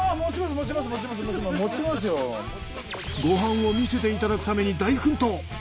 ご飯を見せていただくために大奮闘。